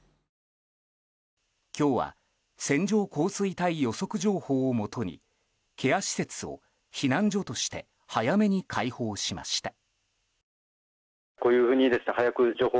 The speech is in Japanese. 今日は線状降水帯予測情報をもとにケア施設を避難所として早めに開放しました。